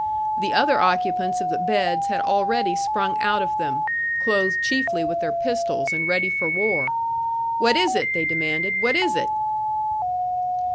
The other occupants of the beds had already sprung out of them, clothed chiefly with their pistols, and ready for war. "What is it?" they demanded. "What is it?"